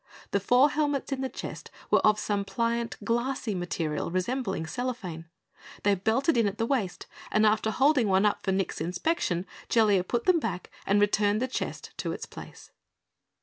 The four helmets in the chest were of some pliant, glassy material resembling cellophane. They belted in at the waist and after holding one up for Nick's inspection, Jellia put them back and returned the chest to its place.